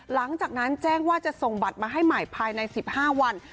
หลังจากนั้นแจ้งว่าจะส่งบัตรมาให้ใหม่ภายใน๑๕วัน